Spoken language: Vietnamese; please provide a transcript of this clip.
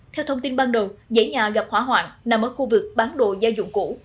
theo thông tin ban đầu dãy nhà gặp hỏa hoạn nằm ở khu vực bán đồ gia dụng cũ